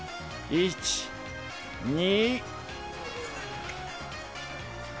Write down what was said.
１２。